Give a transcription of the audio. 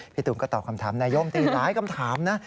พี่ตู๋นก็ตอบคำถามนายยกตรีหลายคำถามนะ